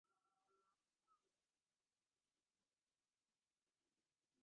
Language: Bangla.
তিনি শতাধিক ভক্তিগীতি রচনা করেন।